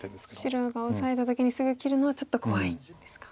白がオサえた時にすぐ切るのはちょっと怖いんですか。